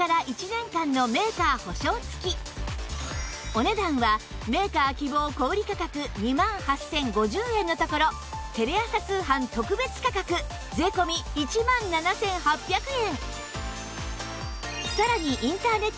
お値段はメーカー希望小売価格２万８０５０円のところテレ朝通販特別価格税込１万７８００円！